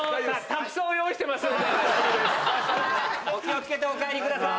お気をつけてお帰りください。